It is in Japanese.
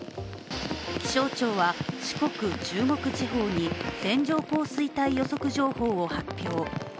気象庁は、四国・中国地方に線状降水帯予測情報を発表。